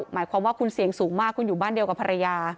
หมายความว่าคุณเสี่ยงสูงมากคุณอยู่บ้านเดียวกับภรรยา